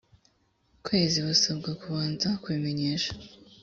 kwezi basabwa kubanza kubimenyesha